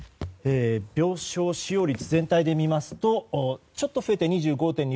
病床使用率、全体で見ますとちょっと増えて２５．２％。